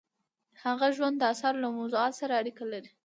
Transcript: د هغه ژوند د اثارو له موضوعاتو سره اړیکه لري.